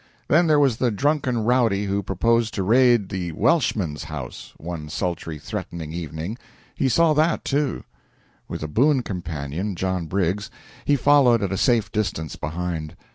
Then there was the drunken rowdy who proposed to raid the "Welshman's" house, one sultry, threatening evening he saw that, too. With a boon companion, John Briggs, he followed at a safe distance behind.